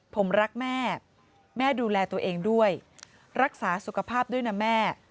ผมรักแม่แม่ดูแลตัวเองด้วยรักษาสุขภาพด้วยนะแม่